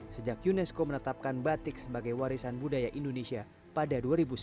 sejak unesco menetapkan batik sebagai warisan budaya indonesia pada dua ribu sembilan